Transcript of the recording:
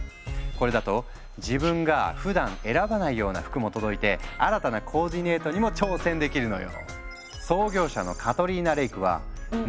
これだと自分がふだん選ばないような服も届いて新たなコーディネートにも挑戦できるのよ。